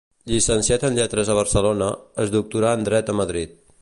Llicenciat en Lletres a Barcelona, es doctorà en Dret a Madrid.